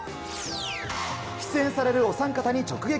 出演されるお三方に直撃。